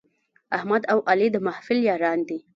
احمد او علي د محفل یاران دي.